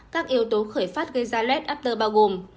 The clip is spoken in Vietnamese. các yếu tố khởi phát gây ra lết after bao gồm